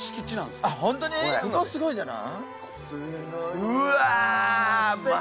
すごいじゃない。